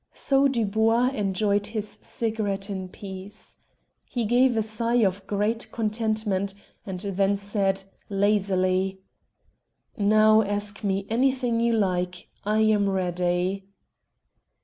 So Dubois enjoyed his cigarette in peace. He gave a sigh of great contentment, and then said, lazily "Now, ask me anything you like. I am ready."